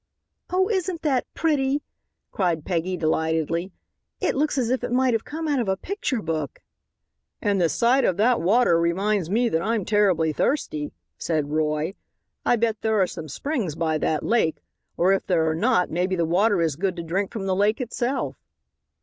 "Oh, isn't that pretty?" cried Peggy delightedly. "It looks as if it might have come out of a picture book." "And the sight of that water reminds me that I'm terribly thirsty," said Roy. "I bet there are some springs by that lake, or if there are not maybe the water is good to drink from the lake itself."